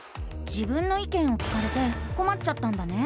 「自分の意見」を聞かれてこまっちゃったんだね？